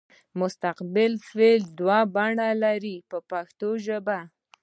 مستقبل فعل دوه بڼې لري په پښتو ژبه.